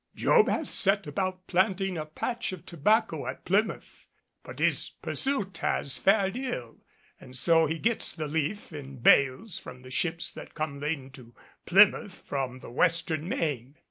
Job has set about planting a patch of tobacco at Plymouth; but his pursuit has fared ill, and so he gets the leaf in bales from the ships that come laden to Plymouth from the western main.